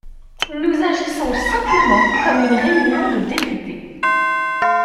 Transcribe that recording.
Nous agissons simplement comme une réunion de députés.